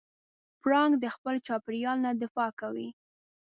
پړانګ د خپل چاپېریال نه دفاع کوي.